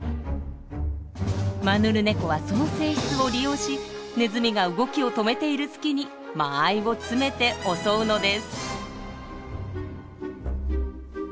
マヌルネコはその性質を利用しネズミが動きを止めている隙に間合いを詰めて襲うのです。